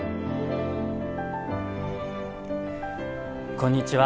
こんにちは。